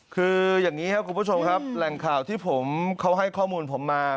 คืออย่างนี้ครับคุณผู้ชมครับแหล่งข่าวที่ผมเขาให้ข้อมูลผมมา